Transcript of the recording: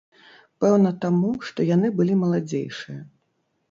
Пэўна, таму, што яны былі маладзейшыя.